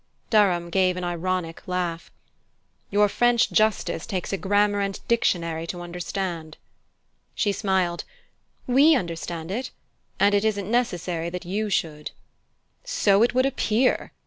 Durham gave an ironic laugh. "Your French justice takes a grammar and dictionary to understand." She smiled. "We understand it and it isn't necessary that you should." "So it would appear!"